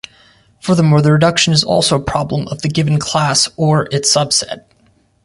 Furthermore, the reduction is also a problem of the given class, or its subset.